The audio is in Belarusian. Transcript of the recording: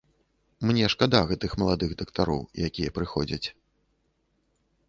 Мне шкада гэтых маладых дактароў, якія прыходзяць.